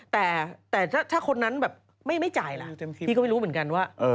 แต่ถ้าคนนั้นแบบไม่จ่ายล่ะพี่ก็ไม่รู้เหมือนกันว่า